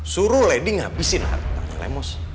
suruh lady ngabisin harta harta lemos